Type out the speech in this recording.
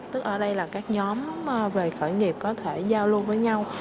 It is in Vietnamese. tức ở đây là các nhóm về khởi nghiệp có thể giao lưu với nhau